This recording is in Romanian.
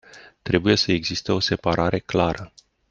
Trebuie să existe o separare clară.